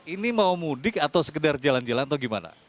ini mau mudik atau sekedar jalan jalan atau gimana